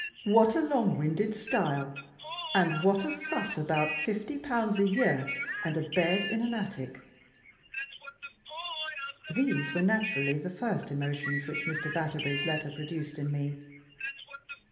What A long winded style, and what a fuss about fifty pounds a year, and a bed in an attic! These were naturally the first emotions which Mr. Batterbury's letter produced in me.